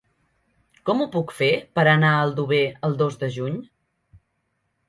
Com ho puc fer per anar a Aldover el dos de juny?